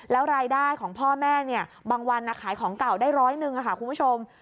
แล้วรายได้ของพ่อแม่บางวันขายของเก่าได้ร้อยหนึ่งค่ะคุณผู้ชม